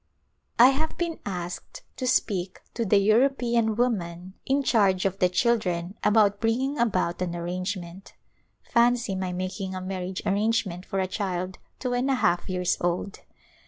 I have been asked to speak to the European woman A Glimpse of India in charge of the children about bringing about an ar rangement. Fancy my making a marriage arrange ment for a child two and a half years old